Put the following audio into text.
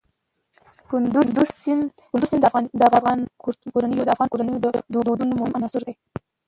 کندز سیند د افغان کورنیو د دودونو مهم عنصر دی.